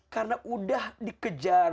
karena udah dikejar